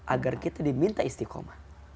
agar kita diminta istiqomah